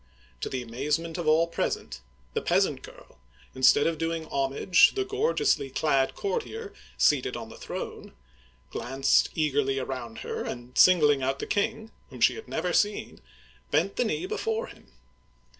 To the amazement of all present, the peasant girl, instead of doing homage to the gorgeously clad courtier seated on the throne, glanced eagerly around her, and singling out the king, — whom she had never seen, — bent the knee before him